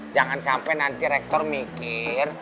jangan sampai nanti rektor mikir